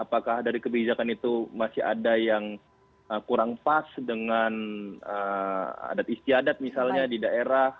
apakah dari kebijakan itu masih ada yang kurang pas dengan adat istiadat misalnya di daerah